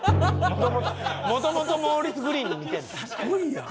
もともとモーリス・グリーンに似てんねん。